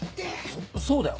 そそうだよ！